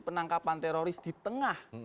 penangkapan teroris di tengah